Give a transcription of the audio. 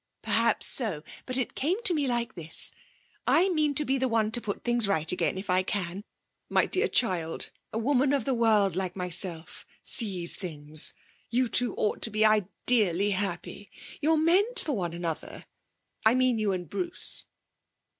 'Perhaps so but it came to me like this. I mean to be the one to put things right again, if I can. My dear child, a woman of the world like myself sees things. You two ought to be ideally happy. You're meant for one another I mean you and Bruce.'